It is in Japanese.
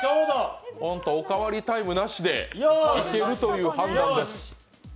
おかわりタイムなしでいけるという判断です。